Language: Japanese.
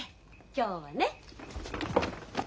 今日はね。